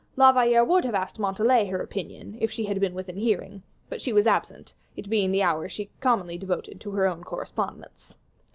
La Valliere would have asked Montalais her opinion, if she had been within hearing, but she was absent, it being the hour she commonly devoted to her own correspondence.